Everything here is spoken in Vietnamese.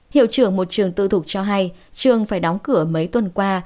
hiệu trưởng một trường tư thục cho hay trường phải đóng cửa mấy tuần qua